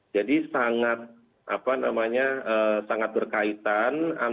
jadi sangat berkaitan